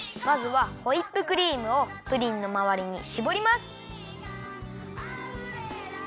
まずはホイップクリームをプリンのまわりにしぼります。